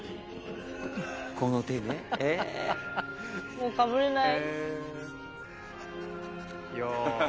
もうかぶれない。